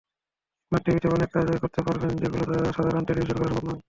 Smart টিভিতে অনেক কাজই করতে পারবেন, যেগুলো সাধারণ টেলিভিশনে করা সম্ভব নয়।